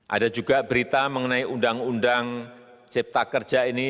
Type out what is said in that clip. ada juga berita mengenai undang undang cipta kerja ini